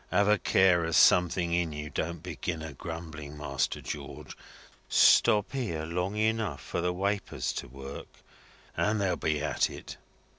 Have a care as something in you don't begin a grumbling, Master George. Stop here long enough for the wapours to work, and they'll be at it."